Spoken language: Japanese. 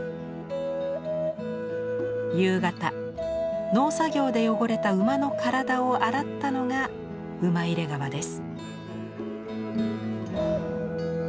夕方農作業で汚れた馬の体を洗ったのがウマイレガワです。